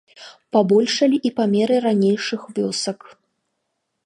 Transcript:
Пабольшалі і памеры ранейшых вёсак.